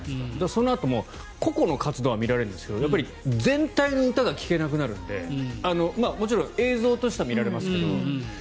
そのあとも個々の活動は見られるんですけどやっぱり全体の歌が聴けなくなるのでもちろん映像としては見られますけど。